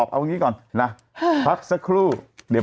หัวเผลอหนูมากเลยนะ